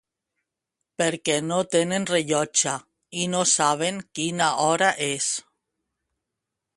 Perquè no tenen rellotge i no saben quina hora és.